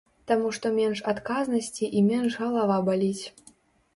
Таму што менш адказнасці і менш галава баліць.